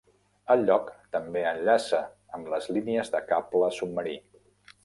El lloc també enllaça amb les línies de cable submarí.